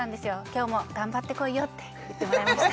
「今日も頑張ってこいよ」って言ってもらえました